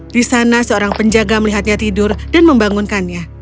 di sana seorang penjaga melihatnya tidur dan membangunkannya